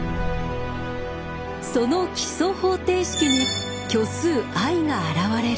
その基礎方程式に虚数ｉが現れる。